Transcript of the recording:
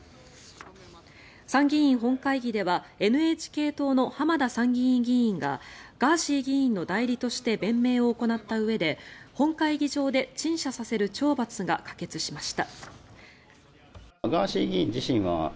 参議院本会議ではＮＨＫ党の浜田参議院議員がガーシー議員の代理として弁明を行ったうえで本会議場で陳謝させる懲罰を可決しました。